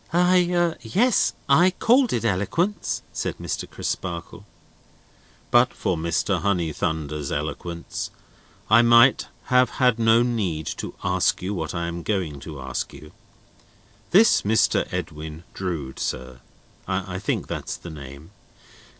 "I—yes, I called it eloquence," said Mr. Crisparkle. "But for Mr. Honeythunder's eloquence, I might have had no need to ask you what I am going to ask you. This Mr. Edwin Drood, sir: I think that's the name?"